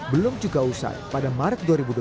belum juga usai pada maret dua ribu dua puluh